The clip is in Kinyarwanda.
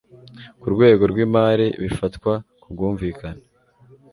k'urwego rw'imari bifatwa ku bwumvikane